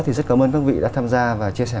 thì rất cảm ơn các vị đã tham gia và chia sẻ